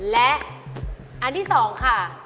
และอันที่๒ค่ะ